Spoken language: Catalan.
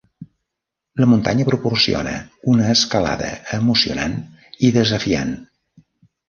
La muntanya proporciona una escalada emocionant i desafiant.